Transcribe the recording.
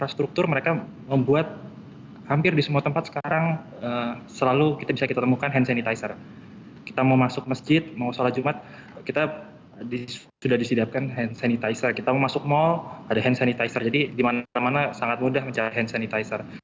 sudah disediakan hand sanitizer kita mau masuk mall ada hand sanitizer jadi di mana mana sangat mudah mencari hand sanitizer